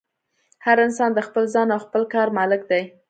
هر انسان د خپل ځان او خپل کار مالک دی.